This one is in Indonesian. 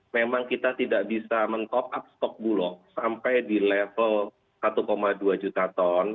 memang kita tidak bisa men top up stok bulog sampai di level satu dua juta ton